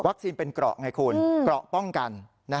เป็นเกราะไงคุณเกราะป้องกัน